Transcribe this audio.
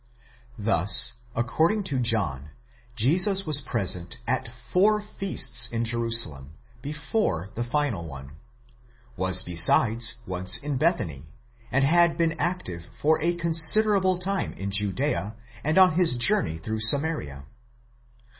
Thus, according to John, Jesus was present at four feasts in Jerusalem, before the final one: was besides once in Bethany, and had been active for a considerable time in Judea and on his journey through Samaria.